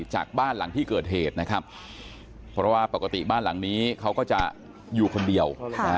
จากบ้านหลังที่เกิดเหตุนะครับเพราะว่าปกติบ้านหลังนี้เขาก็จะอยู่คนเดียว